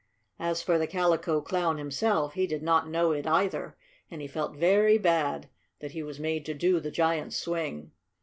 As for the Calico Clown himself, he did not know it either, and he felt very bad that he was made to do the giant's swing.